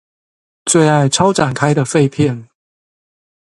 最愛超展開的廢片